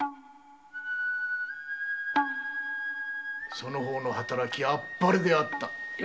その方の働きアッパレであった。